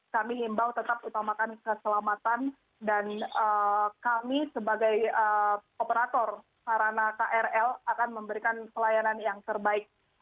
kami himbau tetap utamakan keselamatan dan kami sebagai operator sarana krl akan memberikan pelayanan yang terbaik